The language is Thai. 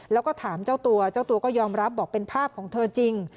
แล้วก็ถามเจ้าตัวเจ้าตัวก็ยอมรับบอกเป็นภาพของเธอจริง